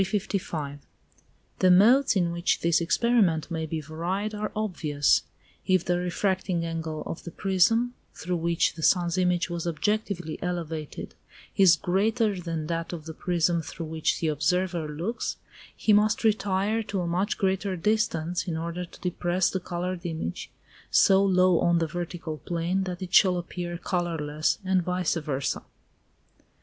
The modes in which this experiment may be varied are obvious. If the refracting angle of the prism, through which the sun's image was objectively elevated, is greater than that of the prism through which the observer looks, he must retire to a much greater distance, in order to depress the coloured image so low on the vertical plane that it shall appear colourless, and vice versâ.